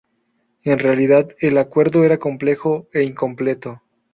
En realidad, el acuerdo era complejo e incompleto.